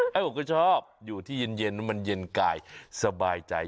ผมก็ชอบอยู่ที่เย็นมันเย็นกายสบายใจ